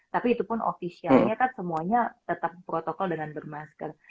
tapi itu pun ofisialnya kan semuanya tetap protokol dengan bermasker